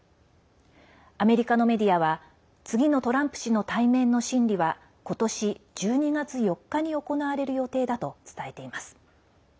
アメリカのメディアは次のトランプ氏の対面の審理は今年１２月４日に行われる予定だと伝えています。